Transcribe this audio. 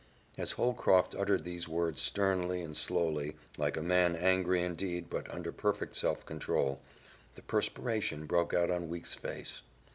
As Holcroft uttered these words sternly and slowly, like a man angry indeed but under perfect self control, the perspiration broke out on Weeks' face.